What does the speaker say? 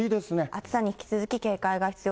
暑さに引き続き警戒が必要。